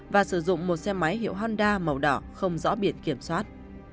và sử dụng một xe máy hiệu honda màu đỏ không rõ biển kiểm soát